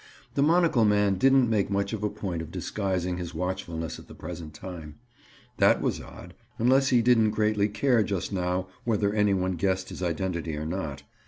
The monocle man didn't make much of a point of disguising his watchfulness at the present time. That was odd—unless he didn't greatly care just now whether any one guessed his identity or not.